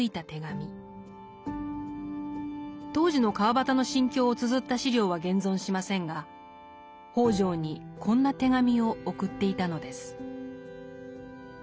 当時の川端の心境をつづった資料は現存しませんが北條にこんな手紙を送っていたのです。